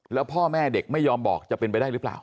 แล้วพ่อแม่เด็กไม่ยอมบอกจะเป็นไปได้หรือเปล่า